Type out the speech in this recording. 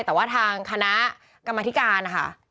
แต่ว่าทางคณะกรรมธิการนะคะ